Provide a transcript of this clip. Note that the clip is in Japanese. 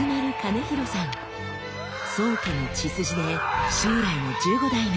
宗家の血筋で将来の１５代目。